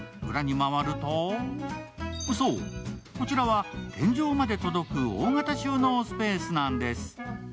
裏に回ると、そう、こちらは天井まで届く大型収納スペースなんです。